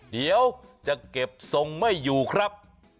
เดี๋ยวจะเก็บทรงไม่อยู่ครับ